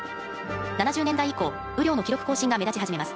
７０年代以降雨量の記録更新が目立ち始めます。